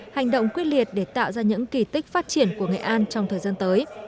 hành động quyết liệt để tạo ra những kỳ tích phát triển của nghệ an trong thời gian tới